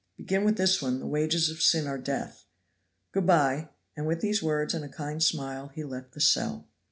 Begin with this one, 'The Wages of Sin are Death.' Good by!" And with these words and a kind smile he left the cell.